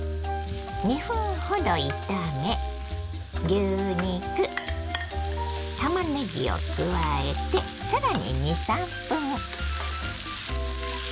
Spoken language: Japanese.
２分ほど炒め牛肉たまねぎを加えて更に２３分。